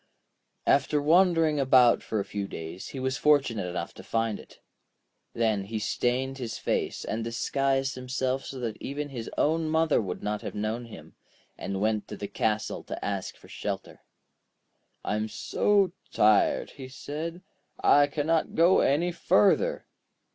After wandering about for a few days, he was fortunate enough to find it. Then he stained his face, and disguised himself so that his own mother would not have known him, and went to the castle to ask for shelter. 'I am so tired,' he said; 'I cannot go any further.'